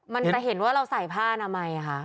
มันจะเห็นว่าเราใส่ผ้านามัยค่ะ